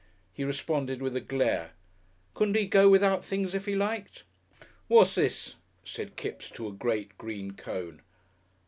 He responded with a glare. Couldn't he go without things if he liked? "What's this?" said Kipps to a great green cone.